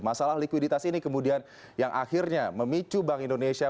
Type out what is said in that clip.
masalah likuiditas ini kemudian yang akhirnya memicu bank indonesia